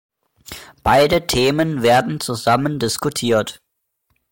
Beide Themen werden zusammen diskutiert.